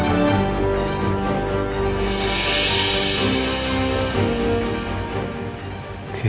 tapi kalau suami saya